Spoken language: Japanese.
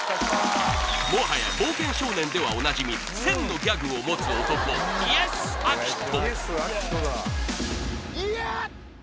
もはや「冒険少年」ではおなじみ１０００のギャグを持つ男イエスッ！